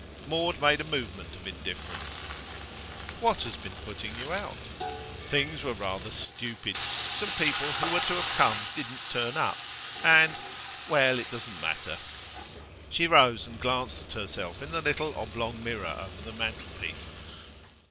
Maud made a movement of indifference. 'What has been putting you out?' 'Things were rather stupid. Some people who were to have come didn't turn up. And well, it doesn't matter.' She rose and glanced at herself in the little oblong mirror over the mantelpiece.